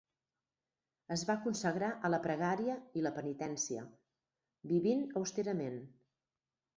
Es va consagrar a la pregària i la penitència, vivint austerament.